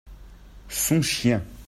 Son chien.